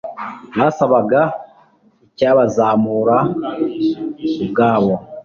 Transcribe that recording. basabaga icyabazamura ubwabo